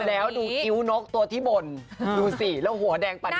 แล้วดูคิ้วนกตัวที่บ่นดูสิแล้วหัวแดงปั่น